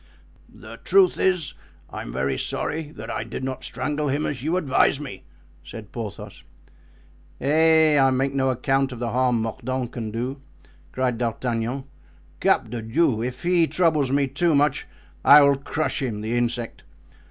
"The truth is, I'm very sorry that I did not strangle him as you advised me," said Porthos. "Eh! I make no account of the harm Mordaunt can do!" cried D'Artagnan. "Cap de Diou! if he troubles me too much I will crush him, the insect!